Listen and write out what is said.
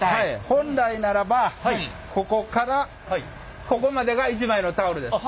本来ならばここからここまでが１枚のタオルです。